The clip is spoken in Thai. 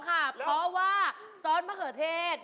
เพราะว่าซอสมะเขือเทศ